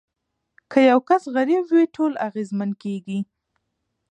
که یو کس غریب وي ټول اغیزمن کیږي.